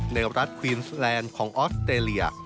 ในรัฐควีนสแลนด์ของออสเตรเลีย